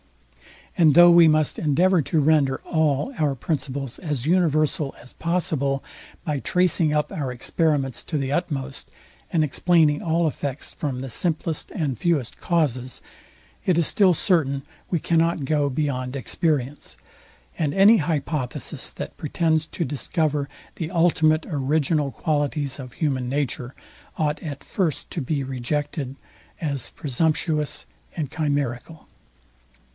And though we must endeavour to render all our principles as universal as possible, by tracing up our experiments to the utmost, and explaining all effects from the simplest and fewest causes, it is still certain we cannot go beyond experience; and any hypothesis, that pretends to discover the ultimate original qualities of human nature, ought at first to be rejected as presumptuous and chimerical.